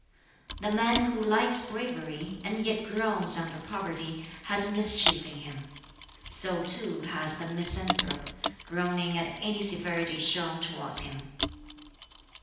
"The man who likes bravery, and yet groans under poverty, has mischief in him. So, too, has the misanthrope, groaning at any severity shown towards him.